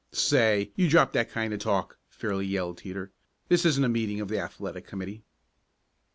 "Say, you drop that kind of talk!" fairly yelled Teeter. "This isn't a meeting of the athletic committee!"